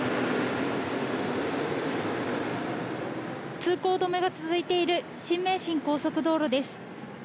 通行止めが続いている新名神高速道路です。